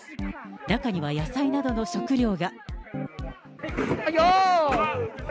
中には野菜などの食料が。